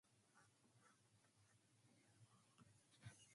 Southeast from Goodwin Sands lies the Sandettie Bank.